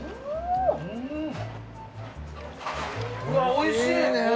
おいしいね